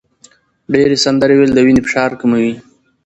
ډېر سندرې ویل د وینې فشار کموي.